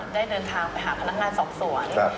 ได้เดินทางไปหาพนักงานสอบสวน